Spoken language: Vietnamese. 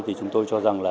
thì chúng tôi cho rằng là